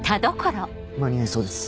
間に合いそうです。